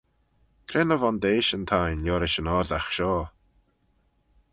Cre ny vondeishyn t'ain liorish yn oardagh shoh?